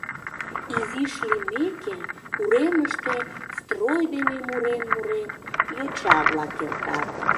Изиш лиймеке, уремыште строй дене мурен-мурен, йоча-влак эртат.